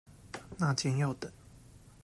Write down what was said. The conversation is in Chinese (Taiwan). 那間要等